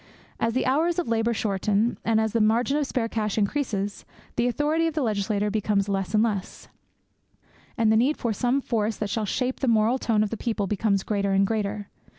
As the hours of labour shorten, and the margin of spare cash increases, the authority of the legislator becomes less and less; and the need for some force that shall shape the moral tone of the people becomes greater and greater.